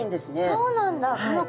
そうなんだ。